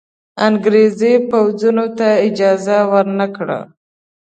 انګرېزي پوځونو ته اجازه ورنه کړه.